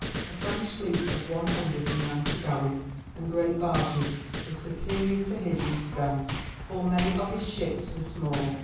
The French fleet of one hundred and ninety galleys and great barges was superior to his in strength, for many of his ships were small.